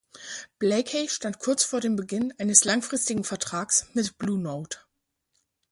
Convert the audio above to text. Blakey stand kurz vor dem Beginn eines langfristigen Vertrags mit Blue Note.